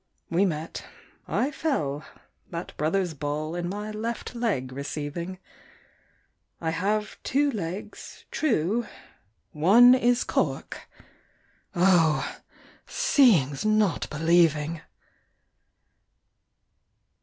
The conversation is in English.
We met I fell that brother's ball In my left leg receiving; I have two legs, true one is cork: Oh! seeing's not believing!